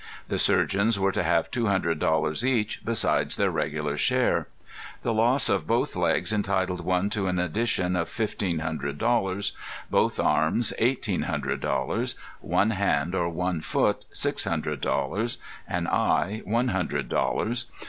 The surgeons were to have two hundred dollars each, besides their regular share. The loss of both legs entitled one to an addition of fifteen hundred dollars; both arms, eighteen hundred dollars; one hand or one foot, six hundred dollars; an eye, one hundred dollars.